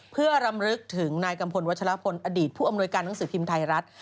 เพื่อรำลึกถึงนายกัมพลวัชลพลอดีตผู้อำนวยการหนังสือพิมพ์ไทยรัฐ